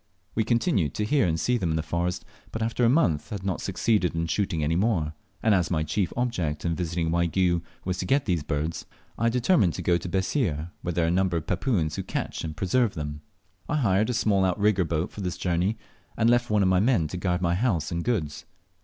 We continued to hear and see them in the forest, but after a month had not succeeded in shooting any more; and as my chief object in visiting Waigiou was to get these birds, I determined to go to Bessir, where there are a number of Papuans who catch and preserve them. I hired a small outrigger boat for this journey, and left one of my men to guard my house and goods.